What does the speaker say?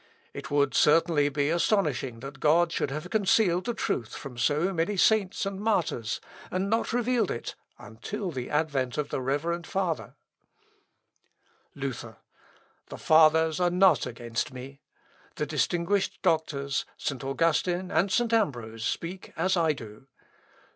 It would, certainly, be astonishing that God should have concealed the truth from so many saints and martyrs ... and not revealed it until the advent of the reverend father!" [Sidenote: ECK'S STRATEGEM. THE HUSSITES.] Luther. "The Fathers are not against me. The distinguished doctors, St. Augustine, and St. Ambrose, speak as I do.